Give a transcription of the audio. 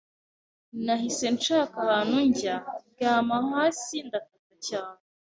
nahise nshaka ahantu njya, ndyama hasi ndataka cyane